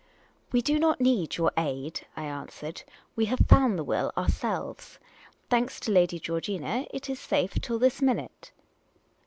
" We do not need your aid," I answered. "We have found the will, ourselves. Thanks to Lady Georgina, it is safe till this minute."